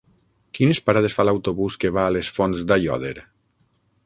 Quines parades fa l'autobús que va a les Fonts d'Aiòder?